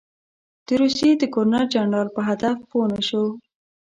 د روسیې د ګورنر جنرال په هدف پوه نه شو.